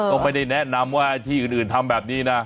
ก็ไม่ได้แนะนำว่าที่อื่นทำแบบนี้นะ